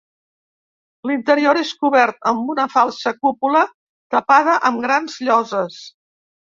L'interior és cobert amb una falsa cúpula tapada amb grans lloses.